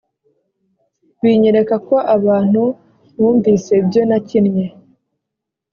binyereka ko abantu bumvise ibyo nakinnye